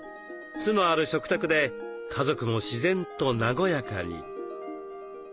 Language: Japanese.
酢のある食卓で家族も自然と和やかに。